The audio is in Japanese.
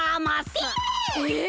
えっ！？